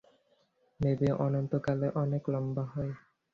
Baby, অনন্তকাল অনেক লম্বা সময়।